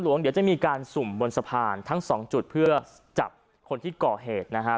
เดี๋ยวจะมีการสุ่มบนสะพานทั้งสองจุดเพื่อจับคนที่ก่อเหตุนะฮะ